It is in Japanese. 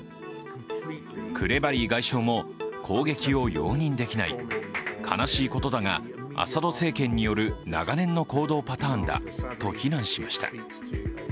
クレバリー外相も攻撃を容認できない、悲しいことだがアサド政権による長年の行動パターンだと非難しました。